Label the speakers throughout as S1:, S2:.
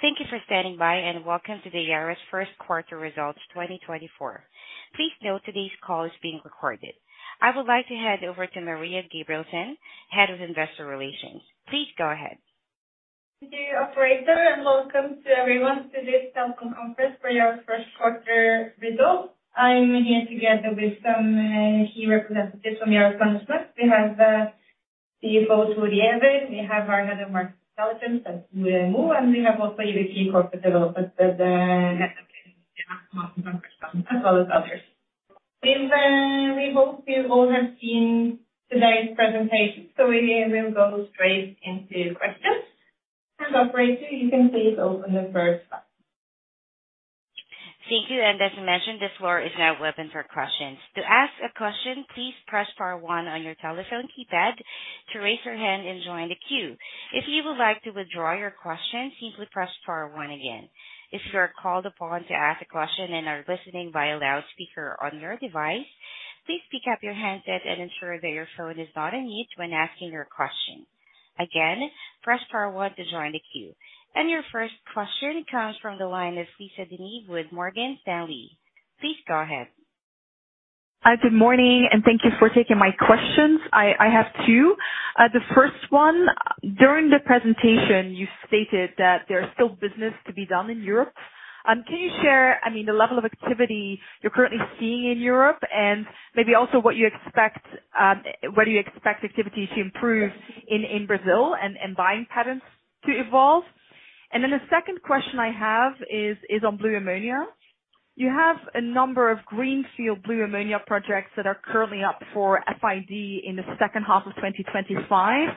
S1: Thank you for standing by, and welcome to Yara's first quarter results 2024. Please note today's call is being recorded. I would like to hand over to Maria Gabrielsen, Head of Investor Relations. Please go ahead.
S2: Thank you, operator, and welcome to everyone to this telecom conference for Yara's first quarter results. I'm here together with some key representatives from Yara management. We have CFO Thor Giæver. We have our head of Market Intelligence, Morten Nøst. And we have also the key Corporate Development, the, as well as others. And we hope you all have seen today's presentation, so we will go straight into questions. And operator, you can please open the first line.
S1: Thank you, and as mentioned, this floor is now open for questions. To ask a question, please press star one on your telephone keypad to raise your hand and join the queue. If you would like to withdraw your question, simply press star one again. If you are called upon to ask a question and are listening via loudspeaker on your device, please pick up your handset and ensure that your phone is not on mute when asking your question. Again, press star one to join the queue. And your first question comes from the line of Lisa De Neve with Morgan Stanley. Please go ahead.
S3: Good morning, and thank you for taking my questions. I have two. The first one, during the presentation, you stated that there's still business to be done in Europe. Can you share, I mean, the level of activity you're currently seeing in Europe, and maybe also what you expect, whether you expect activity to improve in Brazil and buying patterns to evolve? And then the second question I have is on blue ammonia. You have a number of greenfield blue ammonia projects that are currently up for FID in the second half of 2025.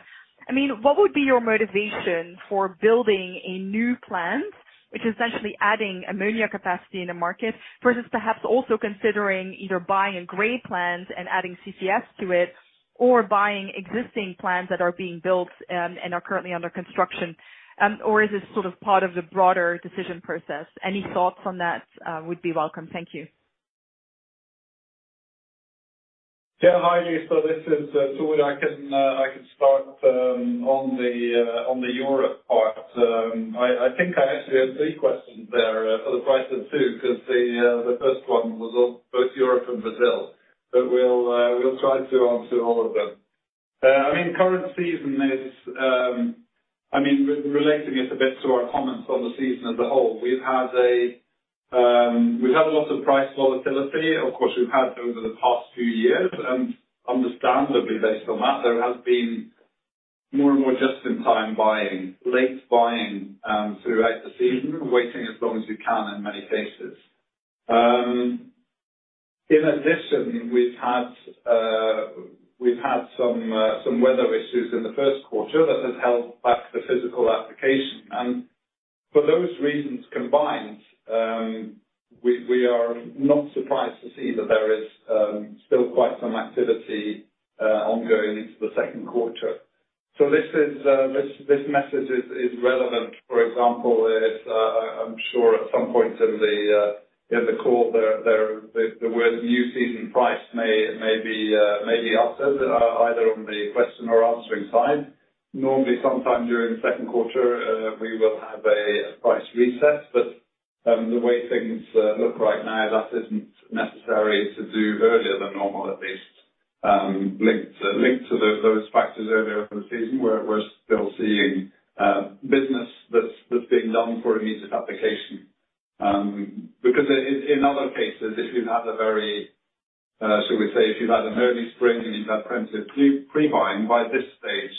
S3: I mean, what would be your motivation for building a new plant, which is essentially adding ammonia capacity in the market, versus perhaps also considering either buying a gray plant and adding CCS to it, or buying existing plants that are being built, and are currently under construction, or is this sort of part of the broader decision process? Any thoughts on that, would be welcome. Thank you.
S4: Yeah, hi, Lisa. This is Thor Giæver. I can start on the Europe part. I think I actually had three questions there for the price of two, 'cause the first one was on both Europe and Brazil, but we'll try to answer all of them. I mean, current season is... I mean, relating it a bit to our comments on the season as a whole, we've had a lot of price volatility. Of course, we've had over the past two years, and understandably based on that, there has been more and more just-in-time buying, late buying throughout the season, waiting as long as we can in many cases. In addition, we've had some weather issues in the first quarter that has held back the physical application. For those reasons combined, we are not surprised to see that there is still quite some activity ongoing into the second quarter. So this message is relevant, for example, if I'm sure at some point in the call, the word new season price may be uttered, either on the question or answering side. Normally, sometime during the second quarter, we will have a price reset, but the way things look right now, that isn't necessary to do earlier than normal, at least. Linked to those factors earlier in the season, we're still seeing business that's being done for immediate application. Because in other cases, if you've had a very, shall we say, early spring and you've had plenty of pre-buying, by this stage,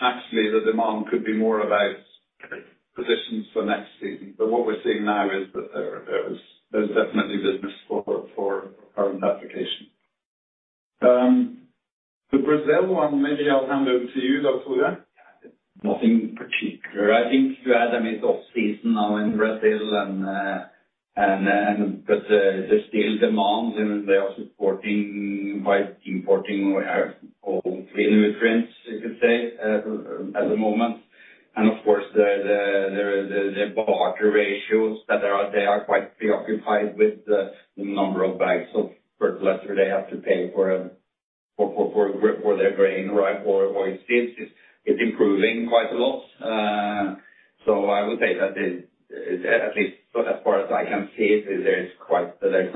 S4: actually the demand could be more about positions for next season. But what we're seeing now is that there is definitely business for current application. The Brazil one, maybe I'll hand over to you, though, Tore. Nothing particular. I think you had a mid-off season now in Brazil, and but, there's still demand, and they are supporting by importing our own nutrients, you could say, at the moment. And of course, the barter ratios that are, they are quite preoccupied with the number of bags of fertilizer they have to pay for their grain, right? Or it's improving quite a lot. So I would say that is, at least as far as I can see it, there's quite... There's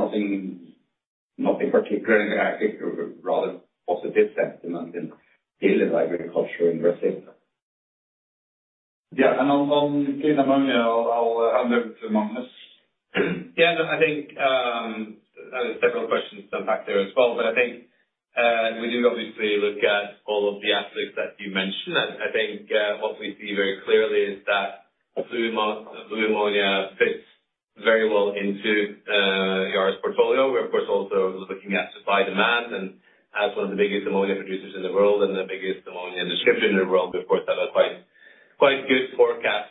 S4: nothing particular, I think rather positive sentiment in the agriculture in Brazil. Yeah, and on blue ammonia, I'll hand over to Magnus.
S5: Yeah, no, I think, there's several questions come back there as well. But I think, we do obviously look at all of the aspects that you mentioned. And I think, what we see very clearly is that blue ammon- blue ammonia fits very well into, Yara's portfolio. We're, of course, also looking at supply, demand, and as one of the biggest ammonia producers in the world and the biggest ammonia distributor in the world, we, of course, have a quite, quite good forecast,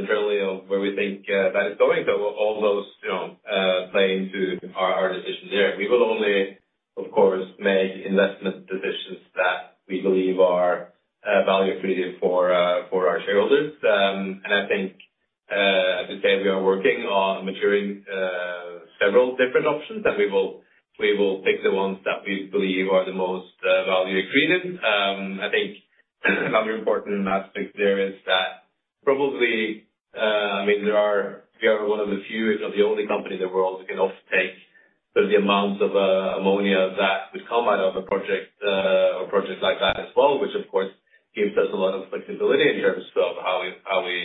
S5: internally of where we think, that is going. So all those, you know, play into our, our decisions here. We will only, of course, make investment decisions that we believe are, value creative for, for our shareholders. And I think, I could say we are working on maturing-... Several different options that we will, we will pick the ones that we believe are the most, value accretive. I think another important aspect there is that probably, I mean, we are one of the few, if not the only company in the world that can offtake the amount of, ammonia that would come out of a project, or projects like that as well, which, of course, gives us a lot of flexibility in terms of how we, how we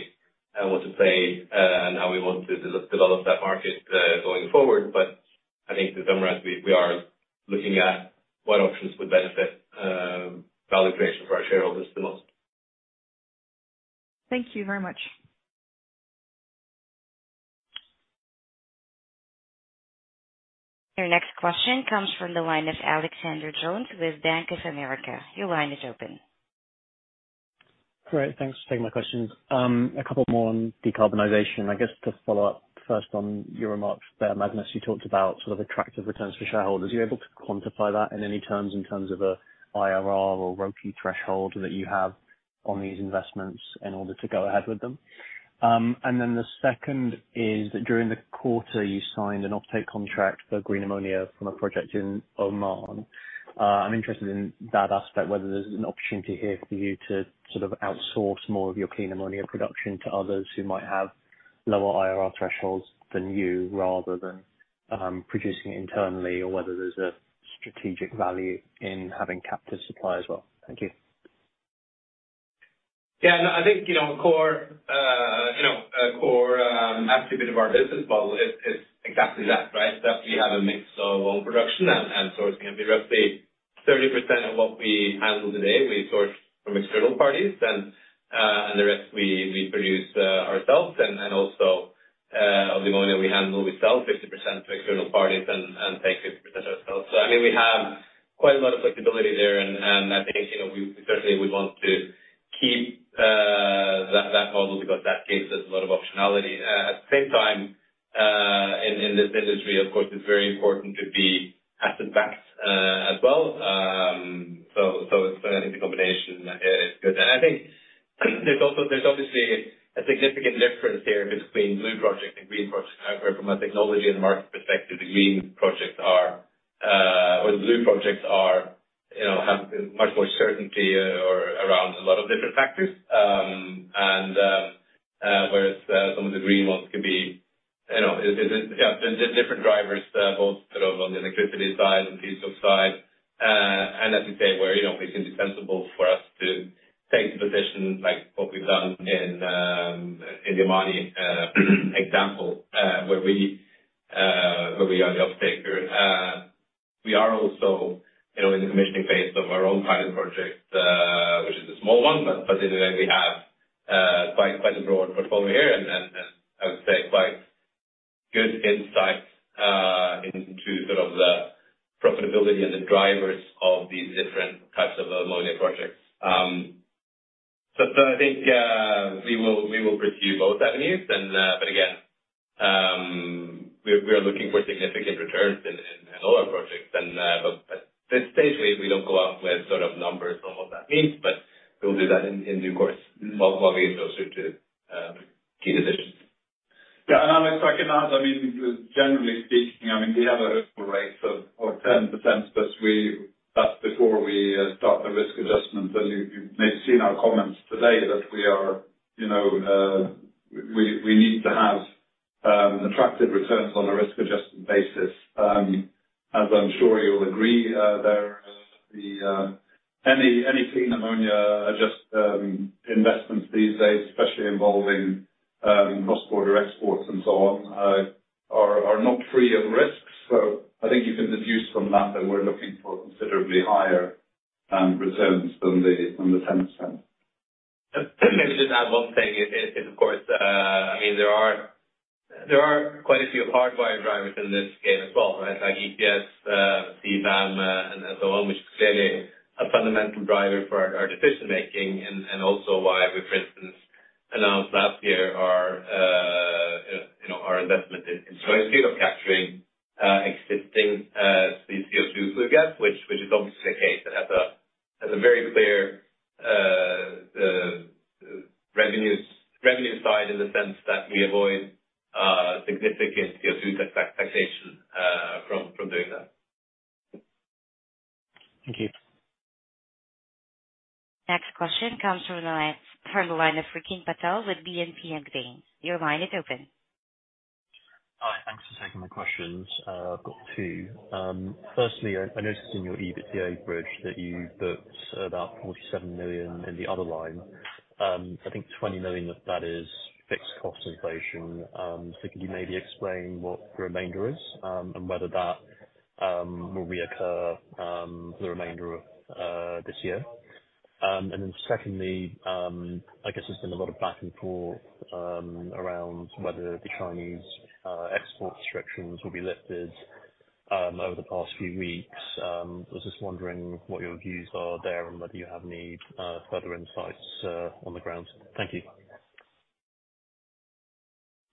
S5: want to play, and how we want to develop that market, going forward. But I think the summary, we, we are looking at what options would benefit, value creation for our shareholders the most.
S3: Thank you very much.
S1: Your next question comes from the line of Alexander Jones with Bank of America. Your line is open.
S6: Great, thanks for taking my questions. A couple more on decarbonization. I guess, to follow up, first on your remarks there, Magnus, you talked about sort of attractive returns for shareholders. Are you able to quantify that in any terms, in terms of an IRR or ROCE threshold that you have on these investments in order to go ahead with them? And then the second is, during the quarter you signed an offtake contract for green ammonia from a project in Oman. I'm interested in that aspect, whether there's an opportunity here for you to sort of outsource more of your clean ammonia production to others who might have lower IRR thresholds than you, rather than producing it internally, or whether there's a strategic value in having captive supply as well. Thank you.
S5: Yeah, no, I think, you know, core, you know, a core attribute of our business model is, is exactly that, right? That we have a mix of own production and, and sourcing, and roughly 30% of what we handle today, we source from external parties, and, and the rest we, we produce, ourselves. And, and also, of the ammonia we handle, we sell 50% to external parties and, and take 50% ourselves. So I mean, we have quite a lot of flexibility there, and, and I think, you know, we certainly would want to keep, that, that model, because that gives us a lot of optionality. At the same time, in, in this industry, of course, it's very important to be asset-backed, as well. So, so I think the combination, is good. I think there's obviously a significant difference here between blue projects and green projects. From a technology and market perspective, the green projects are, or the blue projects are, you know, have much more certainty, or around a lot of different factors. Whereas, some of the green ones could be, you know, yeah, there's different drivers, both sort of on the electricity side and price side. And as you say, where, you know, it's indispensable for us to take the position, like what we've done in the Oman example, where we are the offtaker. We are also, you know, in the commissioning phase of our own pilot project, which is a small one, but today we have quite a broad portfolio here, and I would say quite good insight into sort of the profitability and the drivers of these different types of ammonia projects. So I think we will pursue both avenues, and but again, we are looking for significant returns in all our projects and basically, we don't go out with sort of numbers on what that means, but we'll do that in due course, while we get closer to key decisions.
S4: Yeah, and Alex, if I can add, I mean, generally speaking, I mean, we have a hurdle rate of 10%, but that's before we start the risk adjustments. And you may have seen our comments today, that we are, you know, we need to have attractive returns on a risk-adjusted basis. As I'm sure you'll agree, there are any clean ammonia investments these days, especially involving cross-border exports and so on, are not free of risks. So I think you can deduce from that, that we're looking for considerably higher returns than the 10%.
S5: Let me just add one thing. Of course, I mean, there are quite a few hardwire drivers in this game as well, right? Like ETS, CBAM, and so on, which is clearly a fundamental driver for our decision-making, and also why we, for instance, announced last year our, you know, our investment in capturing existing CO2 blue gas, which is obviously the case, has a very clear revenue side, in the sense that we avoid significant CO2 taxation from doing that.
S6: Thank you.
S1: Next question comes from the line of Rikin Patel with BNP Paribas. Your line is open.
S7: Hi, thanks for taking my questions. I've got two. Firstly, I noticed in your EBITDA bridge that you booked about $47 million in the other line. I think $20 million of that is fixed cost inflation. So could you maybe explain what the remainder is, and whether that will reoccur, for the remainder of this year? And then secondly, I guess there's been a lot of back and forth around whether the Chinese export restrictions will be lifted over the past few weeks. I was just wondering what your views are there and whether you have any further insights on the ground. Thank you.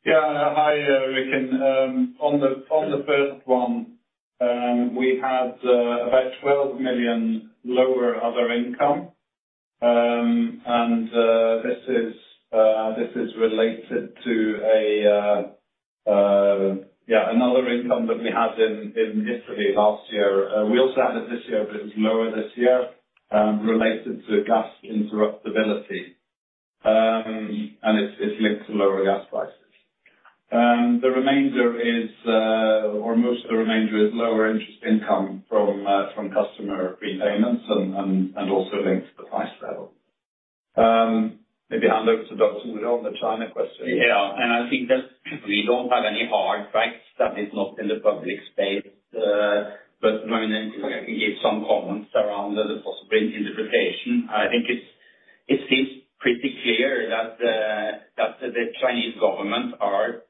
S4: Yeah. Hi, Rikin. On the first one, we had about $12 million lower other income. This is related to another income that we had in history last year. We also had it this year, but it's lower this year, related to gas interruptibility. And it's linked to lower gas prices. The remainder is, or most of the remainder is lower interest income from customer prepayments and also linked to the price level. Maybe I'll hand over to Thor Giæver on the China question.
S8: Yeah, and I think that we don't have any hard facts that is not in the public space. But I can give some comments around the possible interpretation. I think it seems pretty clear that the Chinese government are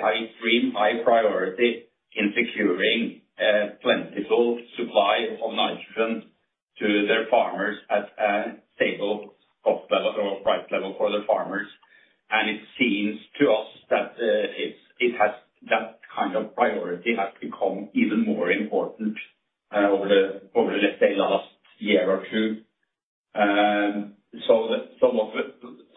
S8: high extreme, high priority in securing plentiful supply of nitrogen to their farmers at a stable cost level or price level for the farmers. And it seems to us that it has, that kind of priority has become even more important over the last year or two.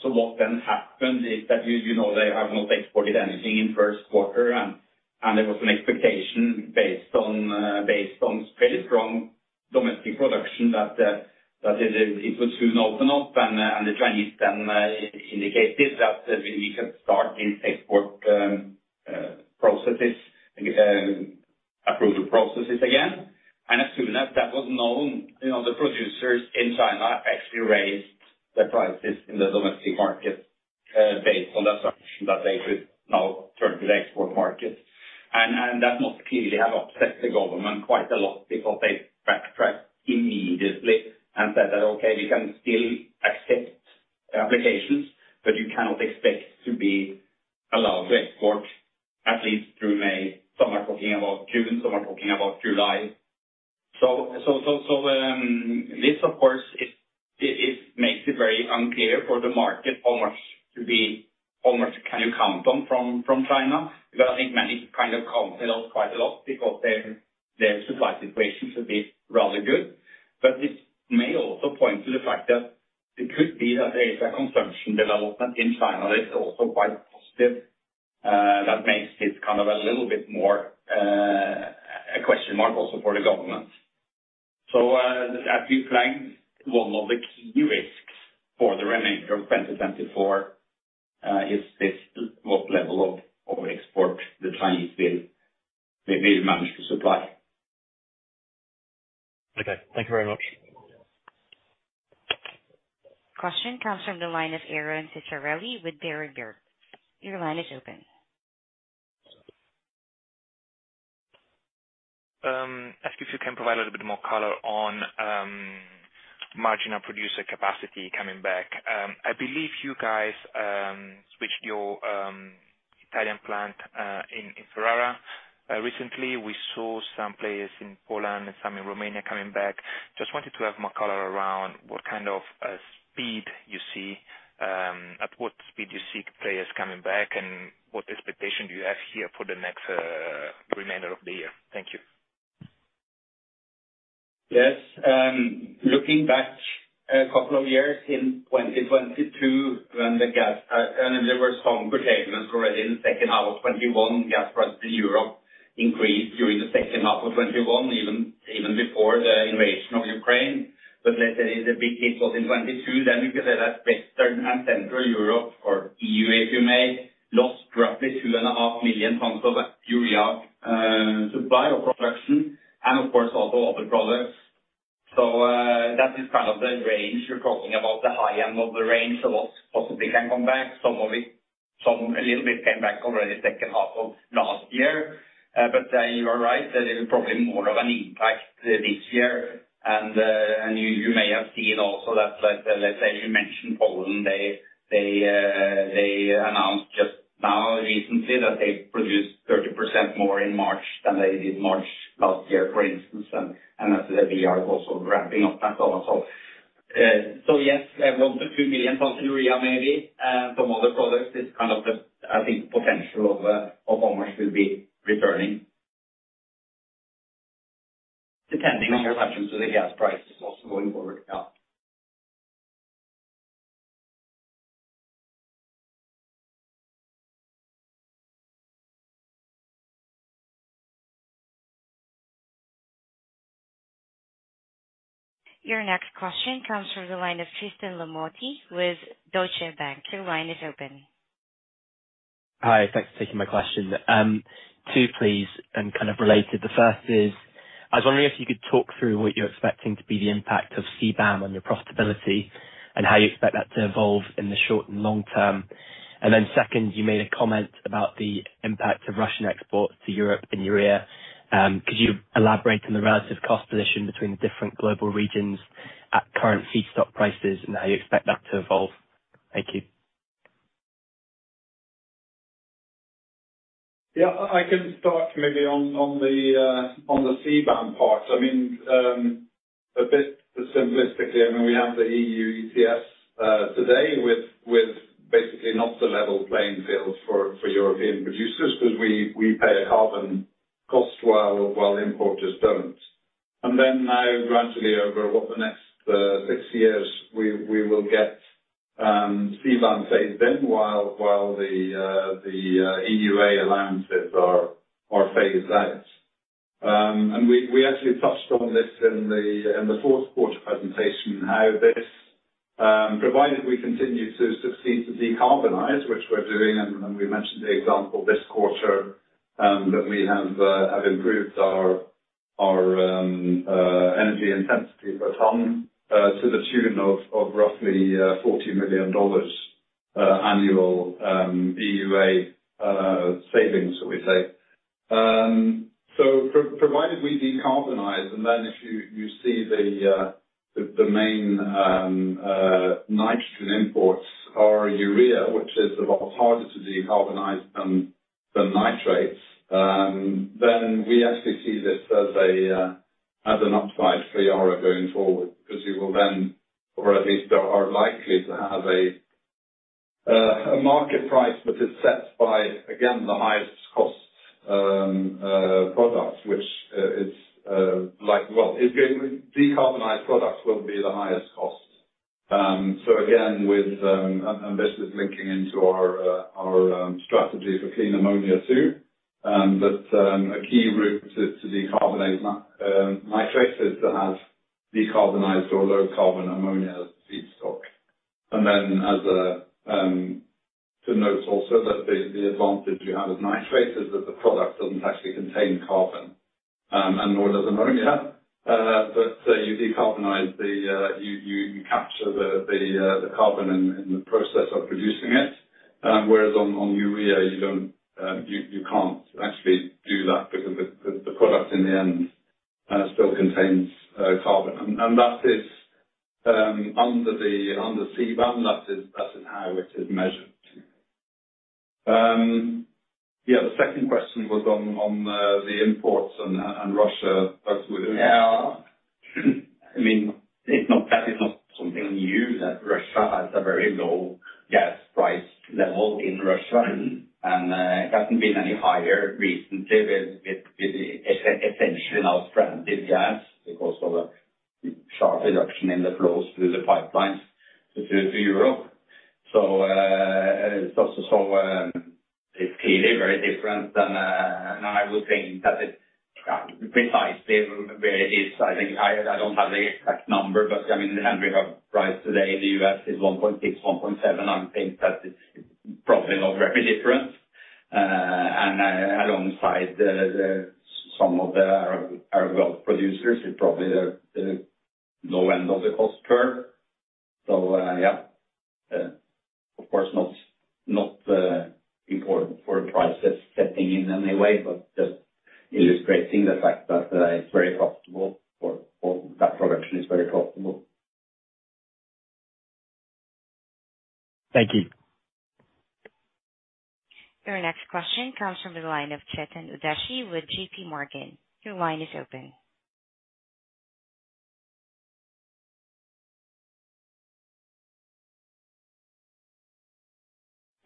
S8: So what then happened is that, you know, they have not exported anything in first quarter, and there was an expectation based on fairly strong domestic production that it would soon open up. And the Chinese then indicated that we can start these export processes approval processes again. And as soon as that was known, you know, the producers in China actually raised their prices in the domestic market based on the assumption that they could now turn to the export market. And that must clearly have upset the government quite a lot because they backtracked immediately and said that, "Okay, we can still accept applications, but you cannot expect to be allowed to export at least through May." Some are talking about June, some are talking about July. So this of course is it makes it very unclear for the market how much to be... How much can you count on from China? Because I think many kind of count it off quite a lot because their, their supply situation should be rather good. But this may also point to the fact that it could be that there is a consumption development in China. It's also quite positive, that makes this kind of a little bit more, a question mark also for the government. So, as we planned, one of the key risks for the remainder of 2024, is this, what level of, of export the Chinese will, they may manage to supply.
S1: Okay, thank you very much. Question comes from the line of Aron Ceccarelli with Berenberg. Your line is open.
S9: Ask if you can provide a little bit more color on marginal producer capacity coming back. I believe you guys switched your Italian plant in Ferrara. Recently, we saw some players in Poland and some in Romania coming back. Just wanted to have more color around what kind of speed you see at what speed you see players coming back, and what expectation do you have here for the next remainder of the year? Thank you.
S8: Yes. Looking back a couple of years in 2022, when the gas and there were some curtailments already in the second half of 2021, gas price in Europe increased during the second half of 2021, even, even before the invasion of Ukraine. But let's say the big hit was in 2022, then we can say that Western and Central Europe, or EU, if you may, lost roughly 2.5 million tons of urea supply or production, and of course, also other products. So, that is kind of the range. We're talking about the high end of the range, so what possibly can come back, some of it, some, a little bit came back already second half of last year. But, you are right, that it is probably more of an impact this year. You may have seen also that, let's say you mentioned Poland, they announced just now, recently, that they produced 30% more in March than they did March last year, for instance. And as we are also ramping up that also. So yes, 1-2 million tons urea, maybe, and some other products is kind of the, I think, potential of how much will be returning. Depending on the gas prices also going forward. Yeah.
S1: Your next question comes from the line of Tristan Lamotte with Deutsche Bank. Your line is open.
S10: Hi, thanks for taking my question. Two, please, and kind of related. The first is, I was wondering if you could talk through what you're expecting to be the impact of CBAM on your profitability, and how you expect that to evolve in the short and long term. And then second, you made a comment about the impact of Russian exports to Europe in urea. Could you elaborate on the relative cost position between the different global regions at current feedstock prices, and how you expect that to evolve? Thank you.
S4: Yeah, I can start maybe on the CBAM part. I mean, a bit simplistically, I mean, we have the EU ETS today with basically not the level playing field for European producers, because we pay a carbon cost while importers don't. And then now gradually over the next six years, we will get CBAM phased in while the EUA allowances are phased out. We actually touched on this in the fourth quarter presentation, how this provided we continue to succeed to decarbonize, which we're doing, and we mentioned the example this quarter that we have improved our energy intensity per ton to the tune of roughly $40 million annual EUA savings that we take. So provided we decarbonize, and then if you see the main nitrogen imports are urea, which is a lot harder to decarbonize than nitrates, then we actually see this as an upside for Yara going forward, because we will then, or at least are likely to have a market price that is set by, again, the highest cost products, which is, like, well, it being decarbonized products will be the highest cost. So again, with and this is linking into our strategy for clean ammonia too, but a key route to decarbonize nitrates is to have decarbonized or low carbon ammonia feedstock. And then, as a note also, the advantage you have with nitrates is that the product doesn't actually contain carbon, and nor does ammonia. But you decarbonize the; you capture the carbon in the process of producing it. Whereas on urea, you don't, you can't actually do that because the product in the end still contains carbon. And that is under CBAM. That is how it is measured. Yeah, the second question was on the imports and Russia, but within-
S8: Yeah. I mean, it's not, that is not something new, that Russia has a very low gas price level in Russia. And it hasn't been any higher recently, with essentially now stranded gas because of a sharp reduction in the flows through the pipelines to Europe. So it's also, so it's clearly very different than, and I would think that it's precisely where it is. I think I don't have the exact number, but I mean, the Henry Hub price today in the US is $1.6-$1.7. I think that it's probably not very different. And alongside the some of the Arab Gulf producers, is probably the low end of the cost curve. So yeah. Of course not important for price setting in any way, but just illustrating the fact that it's very profitable for that production is very profitable.
S4: Thank you.
S1: Your next question comes from the line of Chetan Udeshi with JP Morgan. Your line is open.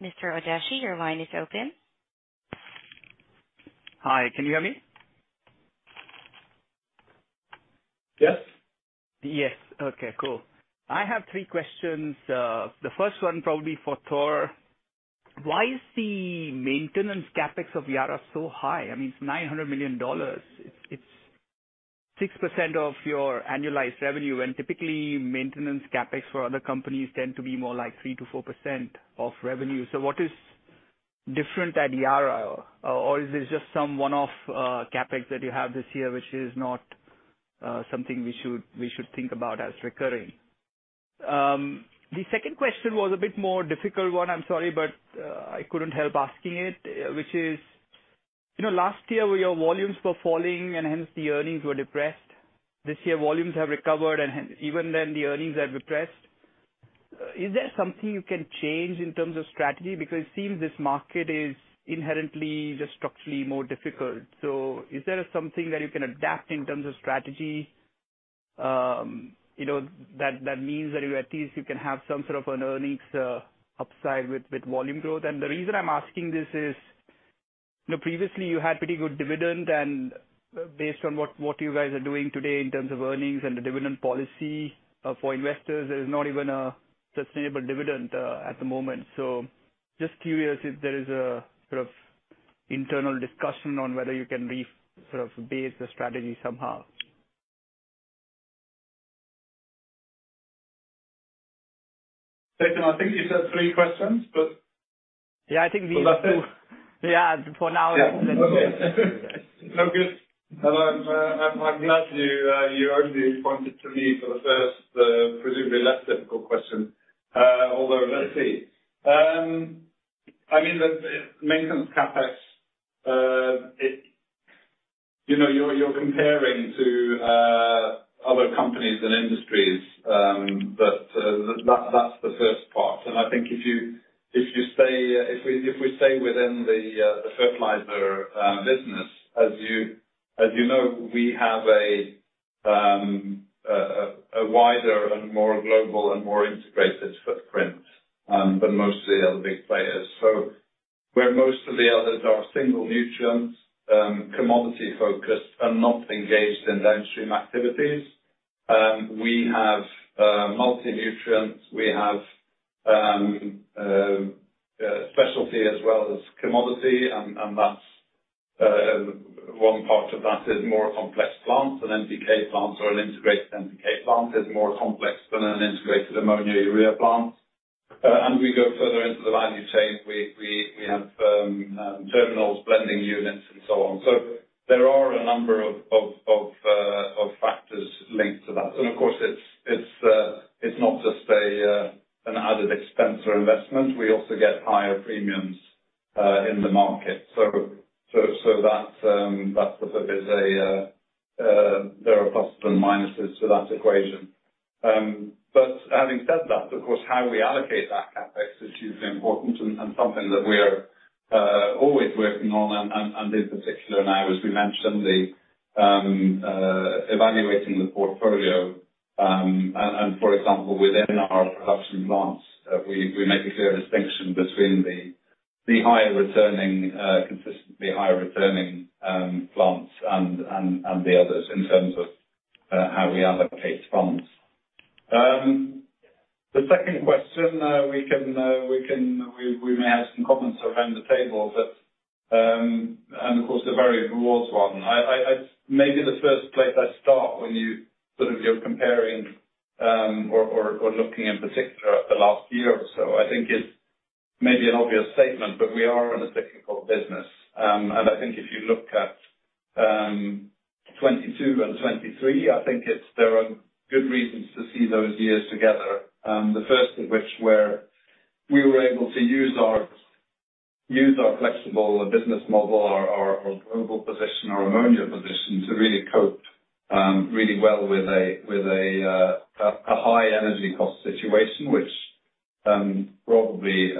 S1: Mr. Udeshi, your line is open.
S11: Hi, can you hear me?
S4: Yes.
S11: Yes. Okay, cool. I have 3 questions. The first one probably for Tor. Why is the maintenance CapEx of Yara so high? I mean, it's $900 million. It's 6% of your annualized revenue, and typically, maintenance CapEx for other companies tend to be more like 3%-4% of revenue. So what is different at Yara? Or, or is this just some one-off CapEx that you have this year, which is not something we should think about as recurring? The second question was a bit more difficult one, I'm sorry, but I couldn't help asking it, which is: you know, last year, where your volumes were falling and hence the earnings were depressed, this year, volumes have recovered, and even then, the earnings are depressed. Is there something you can change in terms of strategy? Because it seems this market is inherently just structurally more difficult. So is there something that you can adapt in terms of strategy, you know, that means that you can at least have some sort of an earnings upside with volume growth? And the reason I'm asking this is, you know, previously you had pretty good dividend, and based on what you guys are doing today in terms of earnings and the dividend policy, for investors, there's not even a sustainable dividend at the moment. So just curious if there is a sort of internal discussion on whether you can re- sort of base the strategy somehow.
S4: Chetan, I think you said three questions, but-
S11: Yeah, I think these two-
S4: Well, that's it.
S11: Yeah, for now.
S4: Yeah. Okay. No, good. And I'm glad you only pointed to me for the first, presumably less difficult question. Although, let's see. I mean, the maintenance CapEx, it... You know, you're comparing to other companies and industries, but that's the first part. And I think if you stay... If we stay within the fertilizer business, as you know, we have a wider and more global and more integrated footprint than most of the other big players. So where most of the others are single nutrients, commodity-focused, and not engaged in downstream activities, we have multi-nutrients. We have specialty as well as commodity, and that's one part of that is more complex plants, an NPK plant or an integrated NPK plant is more complex than an integrated ammonia urea plant. And we go further into the value chain. We have terminals, blending units, and so on. So there are a number of factors linked to that. And of course, it's not just an added expense or investment. We also get higher premiums in the market. So that's that sort of is a there are pluses and minuses to that equation. But having said that, of course, how we allocate that CapEx is hugely important and something that we are always working on, and in particular now, as we mentioned, evaluating the portfolio. And for example, within our production plants, we make a clear distinction between the higher returning, consistently higher returning plants and the others, in terms of how we allocate funds. The second question, we can, we may have some comments around the table, but, and of course, the varied rewards one. Maybe the first place I start when you sort of, you're comparing, or looking in particular at the last year or so, I think it's maybe an obvious statement, but we are in a cyclical business. And I think if you look at 2022 and 2023, I think it's, there are good reasons to see those years together. The first of which were, we were able to use our flexible business model, our global position, our ammonia position, to really cope really well with a high energy cost situation, which probably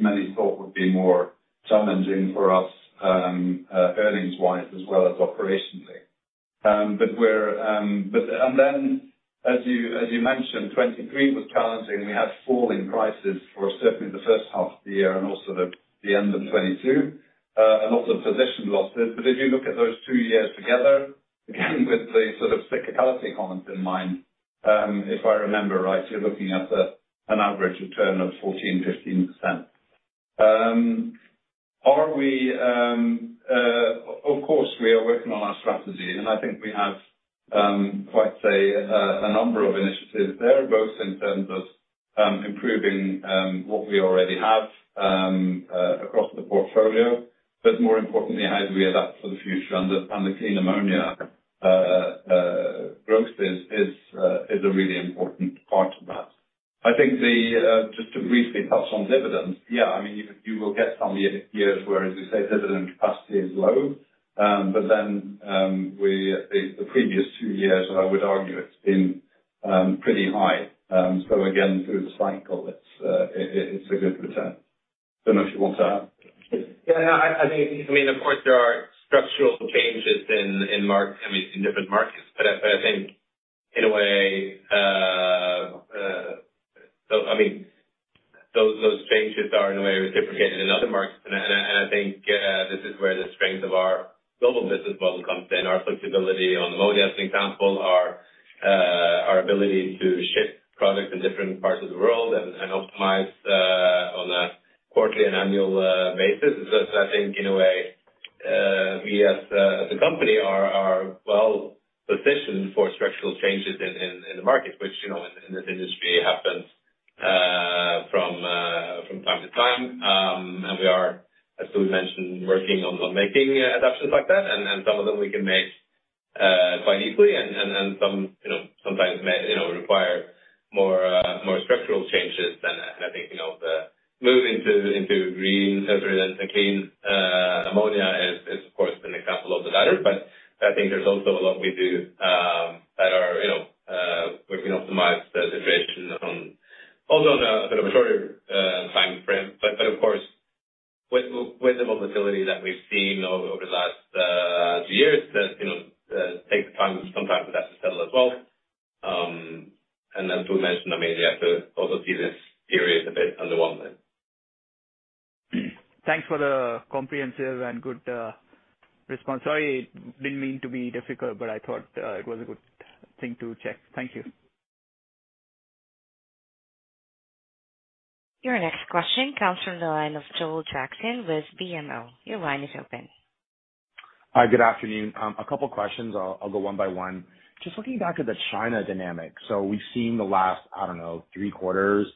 S4: many thought would be more challenging for us earnings-wise, as well as operationally. But then, as you mentioned, 2023 was challenging. We had falling prices for certainly the first half of the year and also the end of 2022, and also position losses. But if you look at those two years together, again, with the sort of cyclicality comment in mind, if I remember right, you're looking at an average return of 14%-15%. Of course, we are working on our strategy, and I think we have quite a number of initiatives there, both in terms of improving what we already have across the portfolio, but more importantly, how do we adapt for the future? And the clean ammonia growth is a really important part of that. I think the just to briefly touch on dividends, yeah, I mean, you, you will get some years where, as you say, dividend capacity is low, but then, the previous two years, I would argue it's been pretty high. So again, through the cycle, it's a good return. Don't know if you want to add?
S5: Yeah, no, I think, I mean, of course, there are structural changes in markets, I mean, in different markets. But I think in a way, so I mean, those changes are in a way replicated in other markets. And I think this is where the strength of our global business model comes in, our flexibility on ammonia, as an example, our ability to ship products in different parts of the world and optimize on a quarterly and annual basis. So I think in a way, we as a company are well positioned for structural changes in the market, which, you know, in this industry happens from time to time. And we are, as we mentioned, working on making adaptations like that, and some of them we can make quite easily, and some, you know, sometimes may, you know, require more structural changes. And I think, you know, the move into green nitrogen and clean ammonia is, of course, an example of the latter. But I think there's also a lot we do that are, you know, we can optimize the situation on, although on a sort of a shorter time frame. But of course, with the volatility that we've seen over the last two years, you know, takes time, some time for that to settle as well. And as we mentioned, I mean, we have to also see this period a bit under one lens.
S11: Thanks for the comprehensive and good response. Sorry, didn't mean to be difficult, but I thought it was a good thing to check. Thank you.
S1: Your next question comes from the line of Joel Jackson with BMO. Your line is open.
S12: Hi, good afternoon. A couple questions. I'll go one by one. Just looking back at the China dynamic, so we've seen the last, I don't know, three quarters,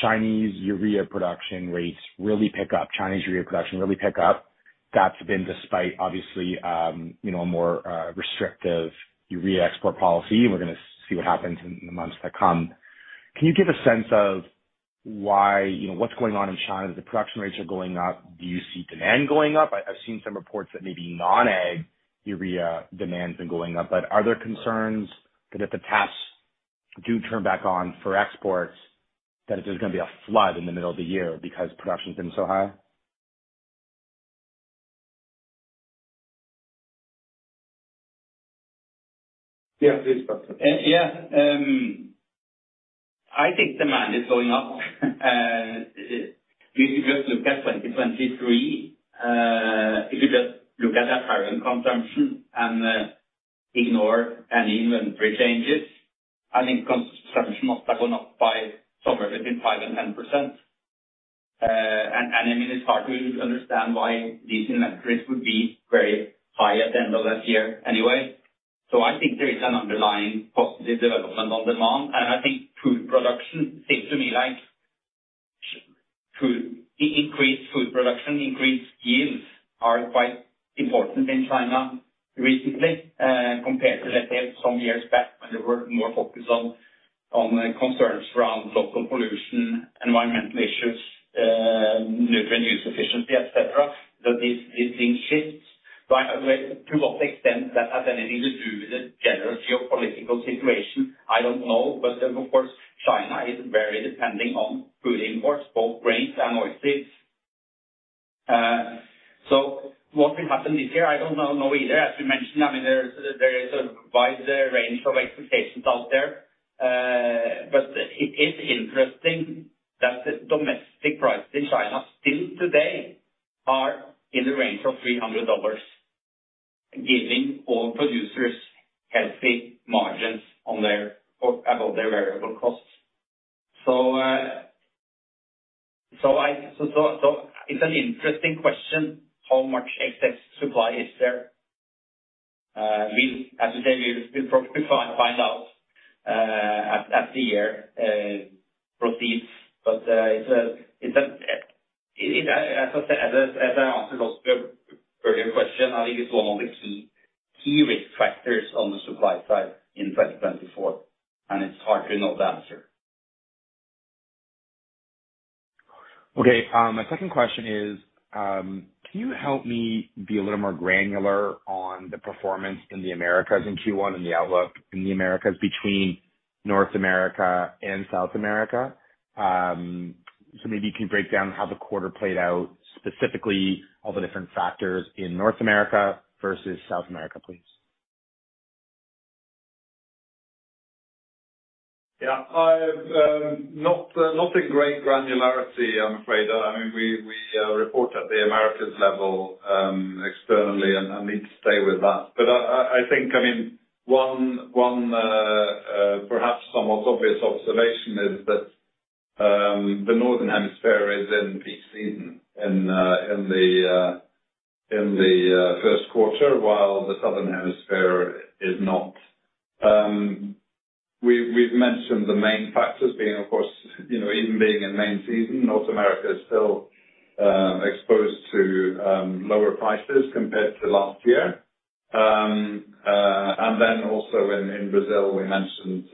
S12: Chinese urea production rates really pick up, Chinese urea production really pick up. That's been despite obviously, you know, a more restrictive urea export policy. We're gonna see what happens in the months to come. Can you give a sense of why, you know, what's going on in China? The production rates are going up. Do you see demand going up? I've seen some reports that maybe non-ag urea demand has been going up, but are there concerns that if the taps do turn back on for exports, that there's just gonna be a flood in the middle of the year because production's been so high?...
S4: Yeah, please, Patrick.
S8: Yeah, I think demand is going up. If you just look at 2023, if you just look at the current consumption and ignore any inventory changes, I think consumption must have gone up by somewhere between 5%-10%. And I mean, it's hard to understand why these inventories would be very high at the end of last year anyway. So I think there is an underlying positive development on demand, and I think food production seems to me like increased food production, increased yields, are quite important in China recently, compared to, let's say, some years back, when they were more focused on concerns around local pollution, environmental issues, nutrient use efficiency, et cetera. But these things shift. To what extent that has anything to do with the general geopolitical situation, I don't know. But then, of course, China is very dependent on food imports, both grains and oilseeds. So what will happen this year? I don't know either. As we mentioned, I mean, there is a wide range of expectations out there. But it is interesting that the domestic prices in China still today are in the range of $300, giving all producers healthy margins on their, or above their variable costs. So it's an interesting question, how much excess supply is there? As we say, we'll probably find out as the year proceeds. As I answered also your earlier question, I think it's one of the key risk factors on the supply side in 2024, and it's hard to know the answer.
S12: Okay. My second question is, can you help me be a little more granular on the performance in the Americas in Q1 and the outlook in the Americas between North America and South America? So maybe you can break down how the quarter played out, specifically all the different factors in North America versus South America, please.
S4: Yeah. I, not, not in great granularity, I'm afraid. I mean, we, we, report at the Americas level, externally, and, and need to stay with that. But I, I, I think, I mean, one, one, perhaps somewhat obvious observation is that, the northern hemisphere is in peak season in, in the, in the, first quarter, while the southern hemisphere is not. We've, we've mentioned the main factors being, of course, you know, even being in main season, North America is still, exposed to, lower prices compared to last year. And then also in, in Brazil, we mentioned,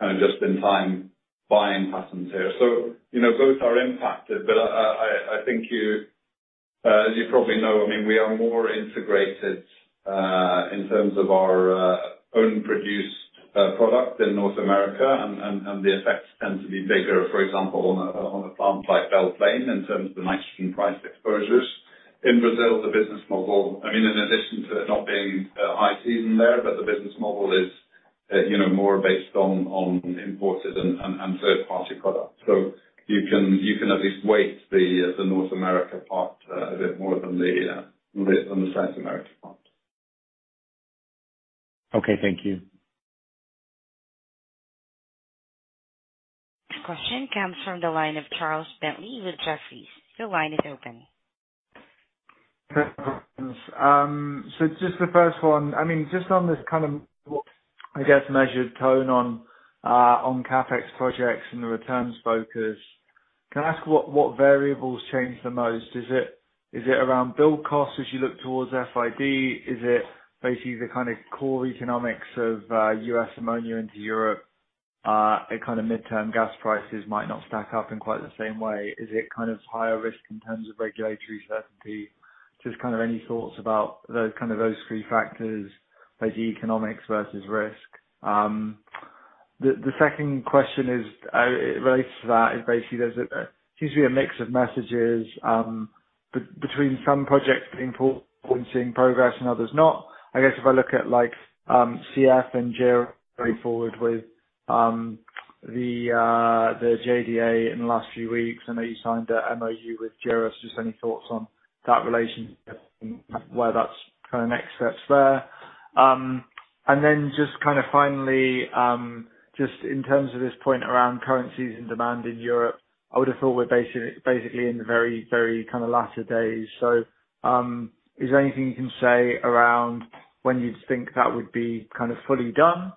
S4: kind of just-in-time buying patterns there. So, you know, both are impacted, but I think you, as you probably know, I mean, we are more integrated in terms of our own produced product in North America, and the effects tend to be bigger, for example, on a farm like Belle Plaine, in terms of the nitrogen price exposures. In Brazil, the business model, I mean, in addition to it not being high season there, but the business model is, you know, more based on imported and third-party products. So you can at least weigh the North America part a bit more than the South America part.
S12: Okay, thank you.
S1: Question comes from the line of Charles Bentley with Jefferies. The line is open.
S13: So just the first one, I mean, just on this kind of, what, I guess, measured tone on, on CapEx projects and the returns focus, can I ask what, what variables change the most? Is it, is it around build costs as you look towards FID? Is it basically the kind of core economics of, US ammonia into Europe? And kind of midterm gas prices might not stack up in quite the same way. Is it kind of higher risk in terms of regulatory certainty? Just kind of any thoughts about those, kind of, those three factors, like the economics versus risk. The, the second question is, it relates to that, is basically there's a, seems to be a mix of messages, between some projects being pulled and seeing progress and others not. I guess if I look at like, CF and JERA very forward with, the JDA in the last few weeks. I know you signed a MOU with JERA. Just any thoughts on that relationship and where that's kind of next steps there? And then just kind of finally, just in terms of this point around currencies and demand in Europe, I would have thought we're basically in the very, very kind of latter days. So, is there anything you can say around when you'd think that would be kind of fully done?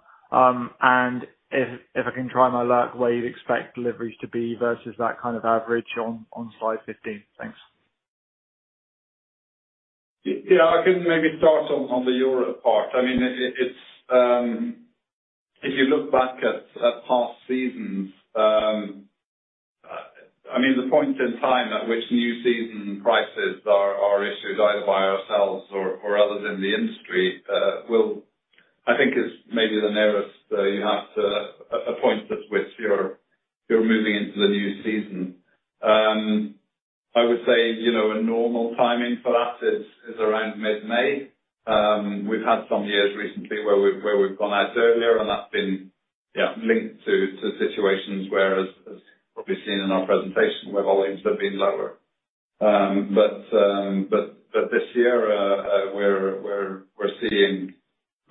S13: And if I can try my luck, where you'd expect deliveries to be versus that kind of average on slide 15? Thanks.
S4: Yeah, I can maybe start on the Europe part. I mean, it's if you look back at past seasons. I mean, the point in time at which new season prices are issued, either by ourselves or others in the industry, I think is maybe the nearest you have to a point to which you're moving into the new season. I would say, you know, a normal timing for us is around mid-May. We've had some years recently where we've gone out earlier, and that's been linked to situations where, as probably seen in our presentation, where volumes have been lower. But this year,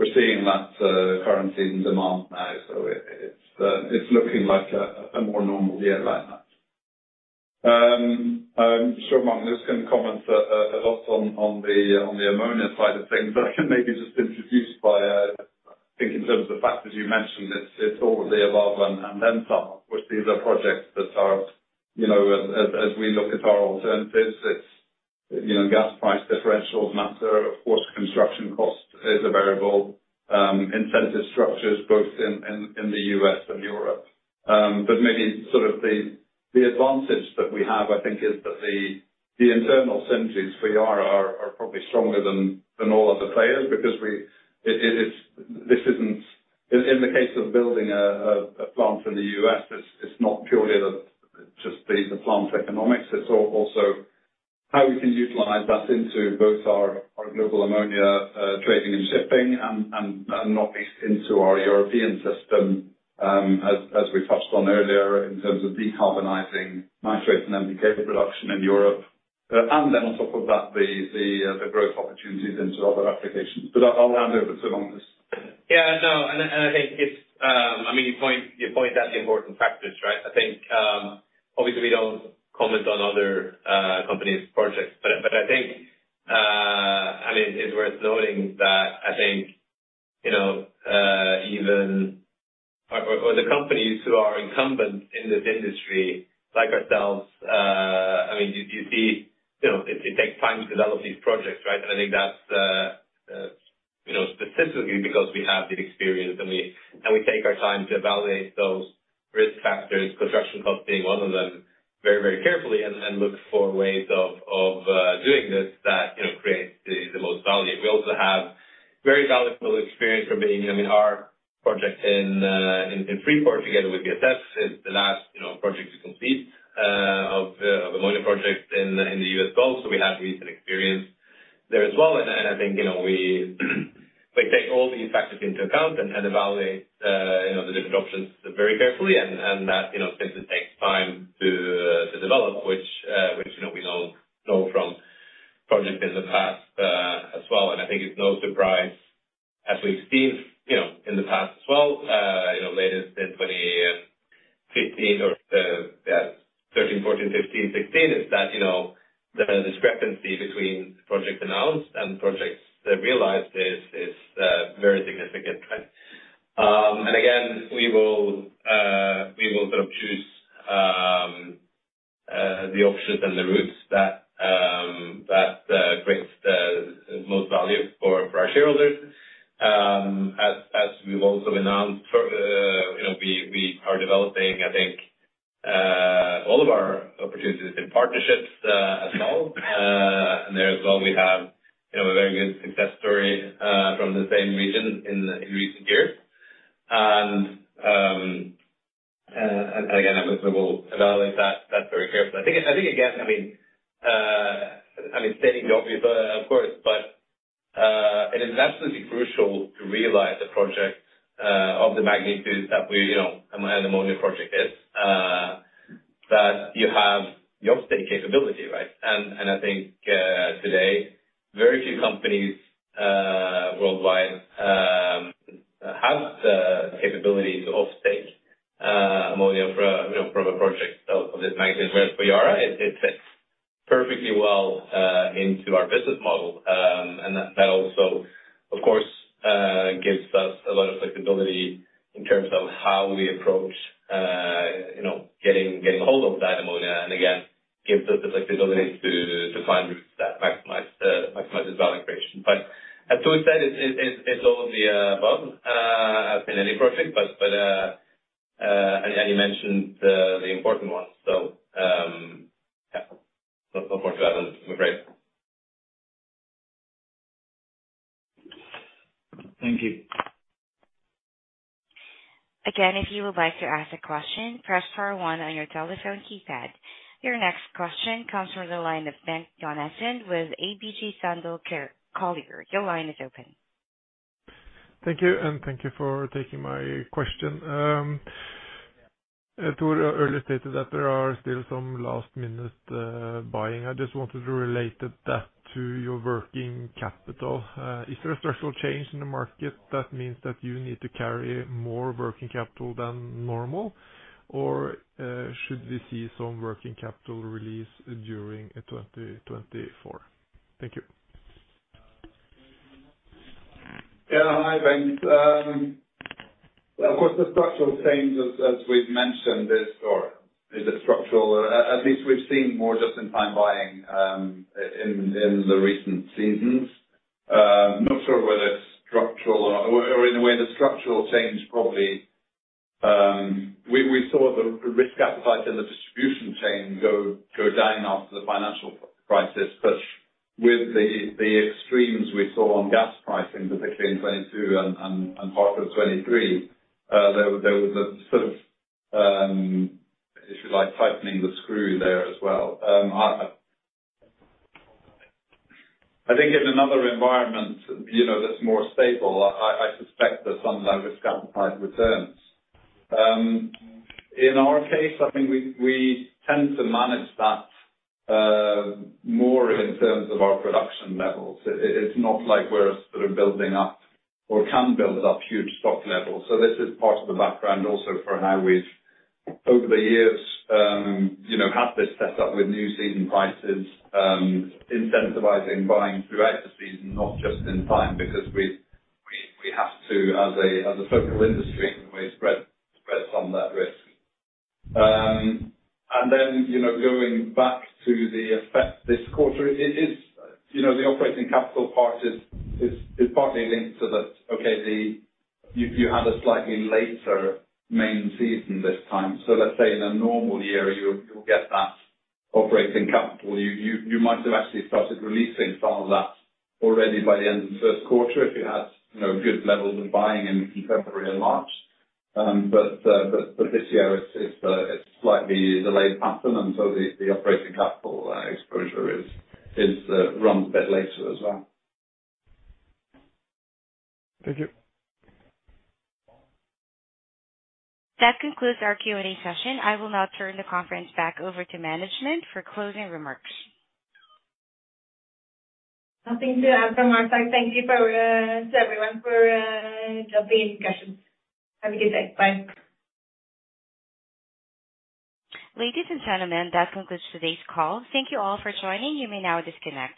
S4: we're seeing that currency in demand now, so it's looking like a more normal year like that. So Marc is going to comment a lot on the ammonia side of things, but I can maybe just introduce by, I think in terms of the factors you mentioned, it's all of the above and then some. Which these are projects that are, you know, as we look at our alternatives, it's, you know, gas price differentials matter. Of course, construction cost is a variable, incentive structures both in the US and Europe. But maybe sort of the advantage that we have, I think, is that the internal synergies we are probably stronger than all other players because, in the case of building a plant in the U.S., it's not purely just the plant economics. It's also how we can utilize that into both our global ammonia trading and shipping, and not least into our European system, as we touched on earlier, in terms of decarbonizing nitrate and NPK production in Europe. And then on top of that, the growth opportunities into other applications. But I'll hand over to Magnus.
S5: Yeah, no, and I think it's, I mean, you point out the important factors, right? I think, obviously, we don't comment on other companies' projects. But I think, and it is worth noting that, I think, you know, even the companies who are incumbent in this industry, like ourselves, I mean, you see, you know, it takes time to develop these projects, right? And I think that's, you know, specifically because we have good experience, and we take our time to evaluate those risk factors, construction costs being one of them, very, very carefully and look for ways of doing this that, you know, create the most value. We also have very valuable experience from being, I mean, our project in Freeport, together with BASF, is the last, you know, project to complete of ammonia project in the US Gulf, so we have recent experience there as well. And I think, you know, we take all these factors into account and evaluate, you know, the different options very carefully, and that, you know, tends to take time to develop, which, you know, we know from projects in the past, as well. And I think it's no surprise, as we've seen, you know, in the past as well, late in 2015 or, yeah, 2013, 2014, 2015, 2016, is that, you know, the discrepancy between projects announced and projects that realized is very significant, right? And again, we will sort of choose the options and the routes that creates the most value for our shareholders. As we've also announced, you know, we are developing, I think, all of our opportunities in partnerships as well. And there as well, we have you know a very good success story from the same region in recent years. And again, we will evaluate that very carefully. I think again, I mean, I mean stating the obvious, of course, but it is absolutely crucial to realize the project of the magnitude that we you know and the ammonia project is that you have the offtake capability, right? And I think today, very few companies worldwide have the capabilities to offtake ammonia from, you know, from a project of this magnitude. Where we are, it fits perfectly well into our business model. And that also, of course, gives us a lot of flexibility in terms of how we approach, you know, getting hold of that ammonia, and again, gives us the flexibility to find routes that maximize its value creation. But as we said, it's all of the above, as in any project, but and you mentioned the important ones, so yeah. So look forward to having them, great.
S4: Thank you.
S1: Again, if you would like to ask a question, press star one on your telephone keypad. Your next question comes from the line of Bengt Jonassen with ABG Sundal Collier. Your line is open.
S14: Thank you, and thank you for taking my question. Thor earlier stated that there are still some last-minute buying. I just wanted to relate that to your working capital. Is there a structural change in the market that means that you need to carry more working capital than normal, or should we see some working capital release during 2024? Thank you.
S4: Yeah. Hi, Ben. Of course, the structural change, as we've mentioned, is or is a structural. At least we've seen more just-in-time buying in the recent seasons. Not sure whether it's structural or in a way, the structural change probably. We saw the risk appetite in the distribution chain go down after the financial crisis. But with the extremes we saw on gas pricing, particularly in 2022 and part of 2023, there was a sort of, if you like, tightening the screw there as well. I think in another environment, you know, that's more stable, I suspect that some of that risk appetite returns. In our case, I think we tend to manage that more in terms of our production levels. It's not like we're sort of building up or can build up huge stock levels. So this is part of the background also for how we've, over the years, you know, had this set up with new season prices, incentivizing buying throughout the season, not just in time, because we have to, as a focal industry, we spread some of that risk. And then, you know, going back to the effect this quarter, it is, you know, the operating capital part is partly linked to that. Okay, you had a slightly later main season this time. So let's say in a normal year, you'll get that operating capital. You might have actually started releasing some of that already by the end of the first quarter, if you had, you know, good levels of buying in February and March. But this year it's slightly delayed pattern, and so the operating capital exposure runs a bit later as well.
S8: Thank you.
S1: That concludes our Q&A session. I will now turn the conference back over to management for closing remarks.
S15: Nothing to add from our side. Thank you for to everyone for helping in questions. Have a good day. Bye.
S1: Ladies and gentlemen, that concludes today's call. Thank you all for joining. You may now disconnect.